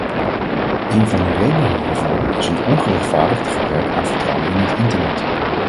Een van de redenen hiervoor is een ongerechtvaardigd gebrek aan vertrouwen in het internet.